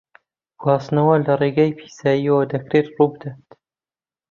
گواستنەوە لە ڕێگای پیساییەوە دەکرێت ڕووبدات.